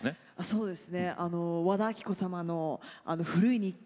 そうです。